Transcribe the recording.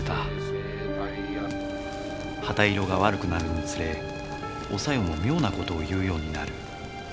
旗色が悪くなるにつれお小夜も妙な事を言うようになる。